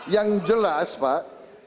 yang jelas pak